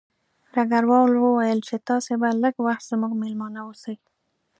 ډګروال وویل چې تاسې به لږ وخت زموږ مېلمانه اوسئ